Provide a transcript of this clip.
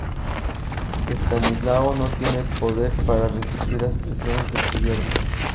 Estanislao no tiene poder para resistir las presiones de su yerno.